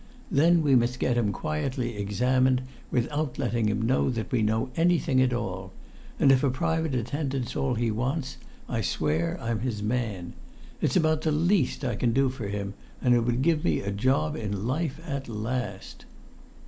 Then we must get him quietly examined, without letting him know that we know anything at all; and if a private attendant's all he wants, I swear I'm his man. It's about the least I can do for him, and it would give me a job in life at last!"